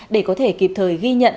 để có thể kịp thời ghi nhận